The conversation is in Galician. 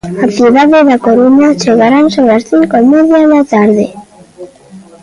Á cidade da Coruña chegarán sobre as cinco e media da tarde.